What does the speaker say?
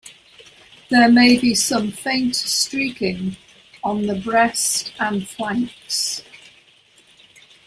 There may be some faint streaking on the breast and flanks.